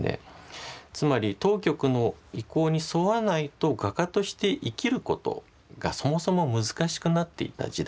つまり当局の意向に沿わないと画家として生きることがそもそも難しくなっていた時代。